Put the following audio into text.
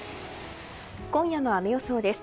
今夜の雨予想です。